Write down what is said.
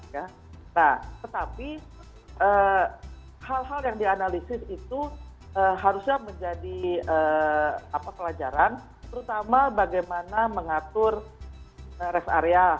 nah tetapi hal hal yang dianalisis itu harusnya menjadi pelajaran terutama bagaimana mengatur rest area